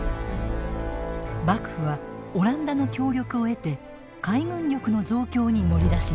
幕府はオランダの協力を得て海軍力の増強に乗り出します。